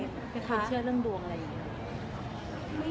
เป็นคนเชื่อเรื่องดวงอะไรอย่างนี้